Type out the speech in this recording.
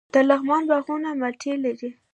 د لغمان باغونه مالټې لري.